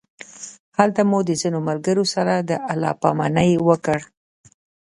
هلته مو د ځینو ملګرو سره د الله پامانۍ وکړ.